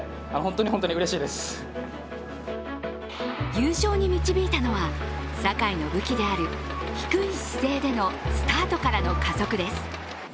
優勝に導いたのは坂井の武器である低い姿勢でのスタートからの加速です。